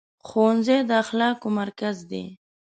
ښوونځی د اخلاقو مرکز دی.